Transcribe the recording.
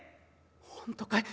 「本当かい？